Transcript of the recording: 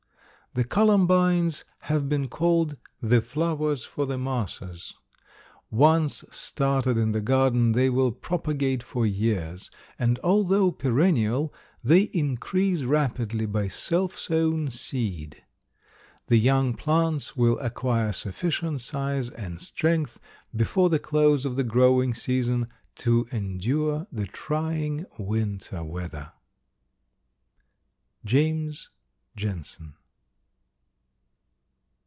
The Columbines have been called "the flowers for the masses." Once started in the garden they will propagate for years and, although perennial, they increase rapidly by self sown seed. The young plants will acquire sufficient size and strength, before the close of the growing season, to endure the trying winter weather. James Jensen.